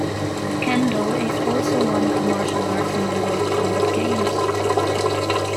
Kendo is also one of the martial arts in the World Combat Games.